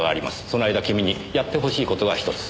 その間君にやってほしい事が１つ。